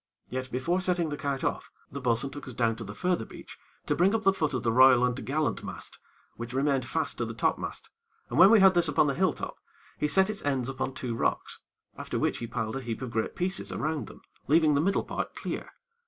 Yet, before setting the kite off, the bo'sun took us down to the further beach to bring up the foot of the royal and t'gallant mast, which remained fast to the topmast, and when we had this upon the hill top, he set its ends upon two rocks, after which he piled a heap of great pieces around them, leaving the middle part clear.